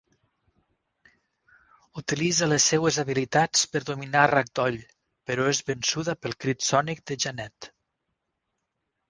Utilitza les seves habilitats per dominar Ragdoll, però és vençuda pel crit sònic de Jeannette.